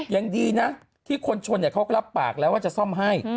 ยังดีนะที่คนชนเขาก็รับปากแล้วว่าจะซ่อมให้